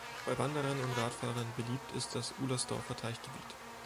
Bei Wanderern und Radfahrern beliebt ist das Ullersdorfer Teichgebiet.